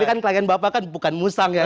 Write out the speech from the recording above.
ini kan klien bapak kan bukan musang ya